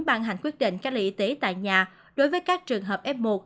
ban hành quyết định cách ly y tế tại nhà đối với các trường hợp f một